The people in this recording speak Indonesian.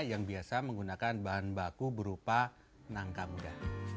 yang biasa menggunakan bahan baku berupa nangka muda